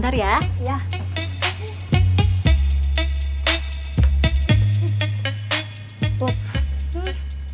makanya mee tuh aanan